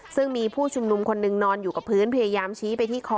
ซึ่งมีผู้ชุมนุมคนหนึ่งนอนอยู่กับพื้นพยายามชี้ไปที่คอ